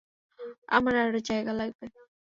আমার আরো জায়গা লাগবে।